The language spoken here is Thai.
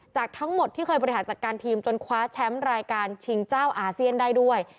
จากทั้งหมดที่เคยบริหารจัดการทีมจนคว้าแชมป์รายการชิงเจ้าอาเซียนได้ด้วย